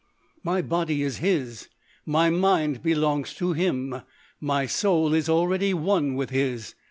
"My body is his, my mind belongs to him, my soul is already one with his.